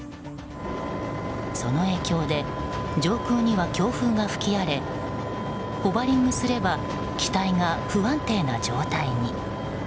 その影響で上空には強風が吹き荒れホバリングすれば機体が不安定な状態に。